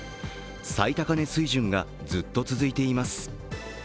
最高値水準がずっと続いています。